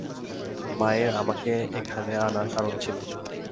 মায়ের আমাকে এখানে আনার কারণ ছিল।